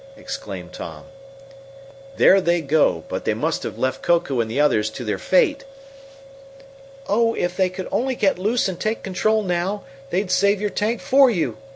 exclaimed Tom. "There they go, but they must have left Koku and the others to their fate!" "Oh, if they could only get loose and take control now, Tom, they'd save your tank for you!"